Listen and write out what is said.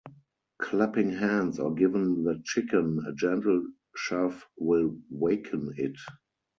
Clapping hands or giving the chicken a gentle shove will waken it.